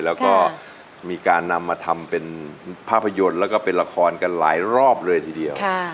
แล้วก็มีการนำมาทำเป็นภาพยนตร์แล้วก็เป็นละครกันหลายรอบเลยทีเดียว